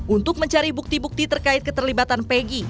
untuk mencari bukti bukti terkait keterlibatan pegi